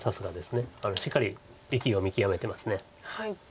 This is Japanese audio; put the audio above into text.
しっかり生きを見極めてます。